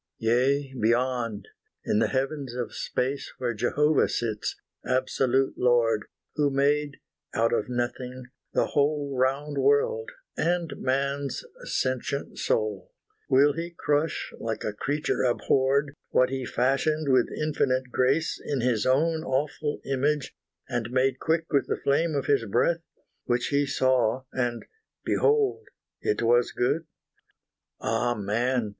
Yea, beyond in the heavens of space Where Jehovah sits, absolute Lord, Who made out of nothing the whole Round world, and man's sentient soul Will He crush, like a creature abhorred, What He fashioned with infinite grace In His own awful image, and made Quick with the flame of His breath, Which He saw and behold it was good? Ah man!